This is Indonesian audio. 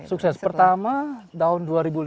sukses pertama tahun